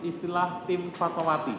apa istilah tim fatmawati